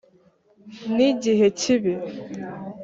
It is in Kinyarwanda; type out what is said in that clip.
Ni igihe kibi .